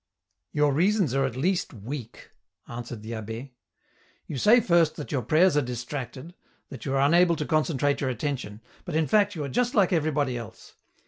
" Your reasons are at least weak," answered the abb^. " You say first that your prayers are distracted, that you are unable to concentrate your attention ; but in fact you are just like everybody else.